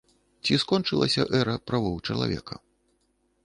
Ці скончылася эра правоў чалавека?